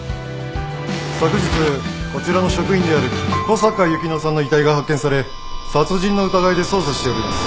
昨日こちらの職員である小坂由希乃さんの遺体が発見され殺人の疑いで捜査しております。